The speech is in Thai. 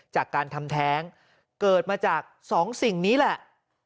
จากการทำแท้งเกิดมาจากสองสิ่งนี้แหละ